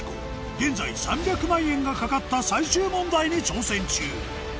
現在３００万円が懸かった最終問題に挑戦中